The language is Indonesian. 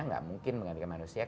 nggak mungkin menggantikan manusia